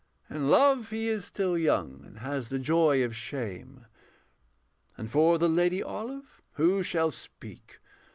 in love He is still young, and has the joy of shame. And for the Lady Olive who shall speak?